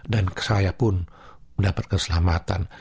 dan saya pun mendapat keselamatan